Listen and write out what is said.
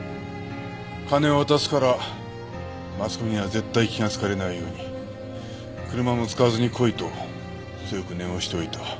金を渡すからマスコミには絶対気がつかれないように車も使わずに来いと強く念を押しておいた。